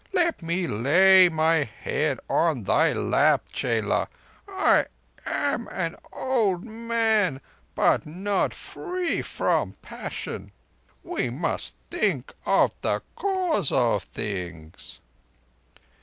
Let me lay my head on thy lap, chela. I am an old man, but not free from passion ... We must think of the Cause of Things."